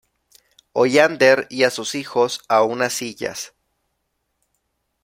Hollander y a sus hijos a unas sillas.